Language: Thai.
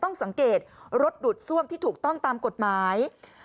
ต้องสังเกตรถดูดซ่วมที่ถูกต้องตามกฎหมาย